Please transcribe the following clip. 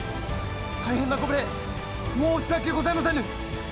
大変なご無礼申し訳ございませぬ！